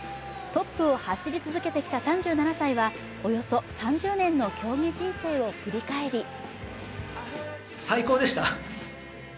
トップを走り続けてきた３７歳は、およそ３０年の競技人生を振り返り